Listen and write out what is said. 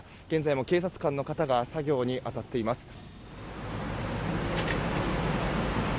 現在も警察官の方が作業に当たっています。